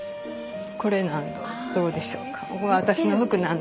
これなんどどうでしょうか？